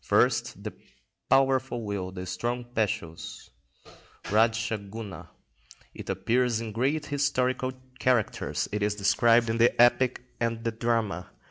First, the powerful will, the strong passions (Radscha Guna). It appears in great historical characters; it is described in the epic and the drama.